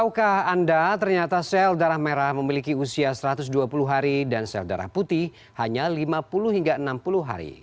tahukah anda ternyata sel darah merah memiliki usia satu ratus dua puluh hari dan sel darah putih hanya lima puluh hingga enam puluh hari